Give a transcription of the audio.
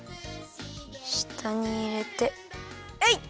したにいれてえい！